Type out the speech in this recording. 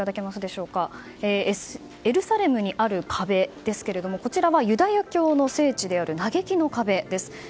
エルサレムにある壁ですがこちらはユダヤ教の聖地である嘆きの壁です。